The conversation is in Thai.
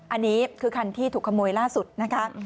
อันนี้คือคันที่ถูกขโมยล่าสุดนะคะ